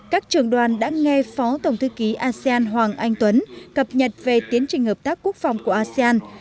các trường đoàn đã nghe phó tổng thư ký asean hoàng anh tuấn cập nhật về tiến trình hợp tác quốc phòng của asean